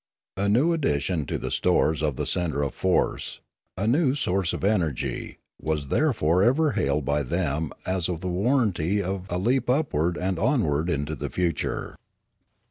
A new addition to the stores of the centre of fo^ce, a new source of energy, was therefore ever hailed by them as the warranty of a leap upward and onward into the future.